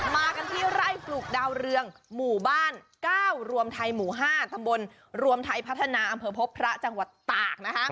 มากันที่ไร่ปลูกดาวเรืองหมู่บ้าน๙รวมไทยหมู่๕ตำบลรวมไทยพัฒนาอำเภอพบพระจังหวัดตาก